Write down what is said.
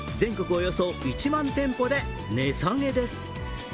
およそ１万店舗で値下げです。